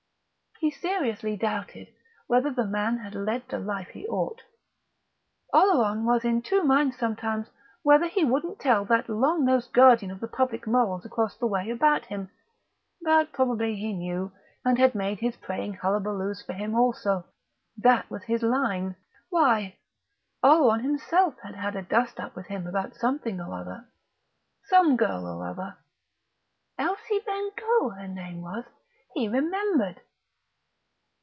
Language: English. He seriously doubted whether the man had led the life he ought; Oleron was in two minds sometimes whether he wouldn't tell that long nosed guardian of the public morals across the way about him; but probably he knew, and had made his praying hullabaloos for him also. That was his line. Why, Oleron himself had had a dust up with him about something or other ... some girl or other ... Elsie Bengough her name was, he remembered....